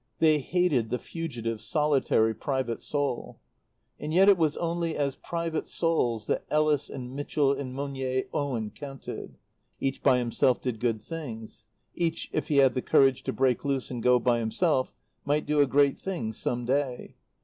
They hated the fugitive, solitary private soul. And yet it was only as private souls that Ellis and Mitchell and Monier Owen counted. Each by himself did good things; each, if he had the courage to break loose and go by himself, might do a great thing some day.